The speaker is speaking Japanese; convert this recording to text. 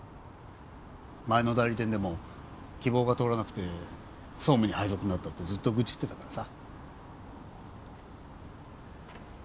前の代理店でも希望が通らなくて総務に配属になったってずっと愚痴ってたからさ。